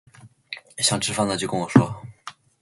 想吃饭了就跟我说